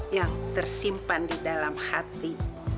yang tersimpan di dalam hati